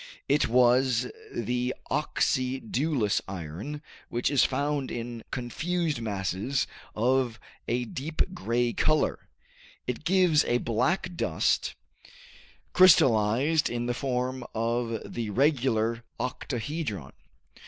It was the oxydulous iron, which is found in confused masses of a deep gray color; it gives a black dust, crystallized in the form of the regular octahedron.